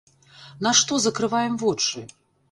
На што закрываем вочы?